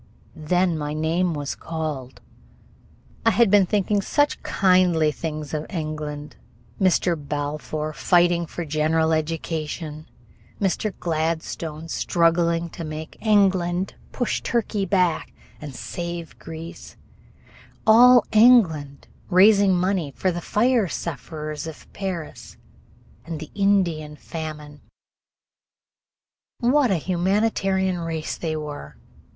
Then my name was called. I had been thinking such kindly things of England Mr. Balfour fighting for general education; Mr. Gladstone struggling to make England push Turkey back and save Greece; all England raising money for the fire sufferers of Paris and the Indian famine. What a humanitarian race they were!